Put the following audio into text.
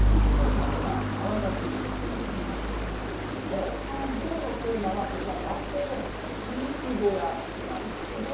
なんだかかわいらしい雰囲気になっておりますけれども、きょうのテーマはこちら、学校の飼育小屋なんですね。